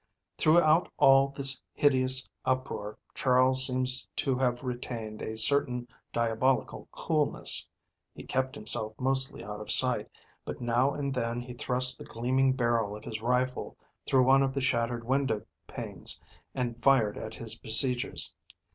Throughout all this hideous uproar Charles seems to have retained a certain diabolical coolness. He kept himself mostly out of sight, but now and then he thrust the gleaming barrel of his rifle through one of the shattered window panes and fired at his besiegers.